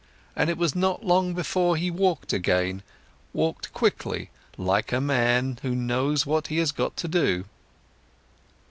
And it was not long before he walked again, walked quickly like a man who knows what he has got to do.